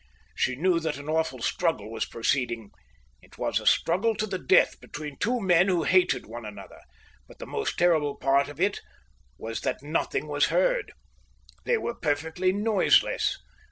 She knew that an awful struggle was proceeding. It was a struggle to the death between two men who hated one another, but the most terrible part of it was that nothing was heard. They were perfectly noiseless.